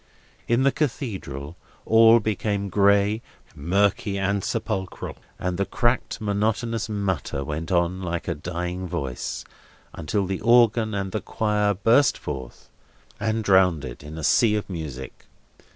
In the Cathedral, all became gray, murky, and sepulchral, and the cracked monotonous mutter went on like a dying voice, until the organ and the choir burst forth, and drowned it in a sea of music.